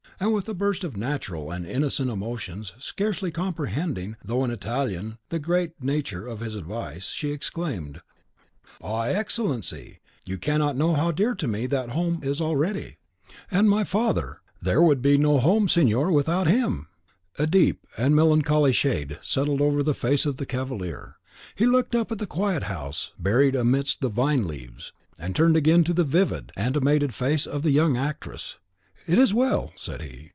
And with a burst of natural and innocent emotions, scarcely comprehending, though an Italian, the grave nature of his advice, she exclaimed, "Ah, Excellency, you cannot know how dear to me that home is already. And my father, there would be no home, signor, without him!" A deep and melancholy shade settled over the face of the cavalier. He looked up at the quiet house buried amidst the vine leaves, and turned again to the vivid, animated face of the young actress. "It is well," said he.